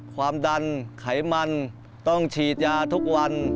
ความดันไขมันต้องฉีดยาทุกวัน